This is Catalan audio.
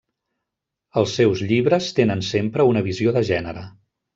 Els seus llibres tenen sempre una visió de gènere.